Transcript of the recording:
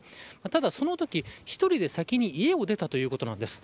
ただ、そのとき１人で先に家を出たということなんです。